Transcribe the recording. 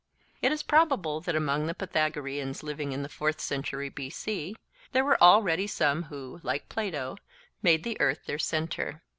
It is probable that among the Pythagoreans living in the fourth century B.C., there were already some who, like Plato, made the earth their centre.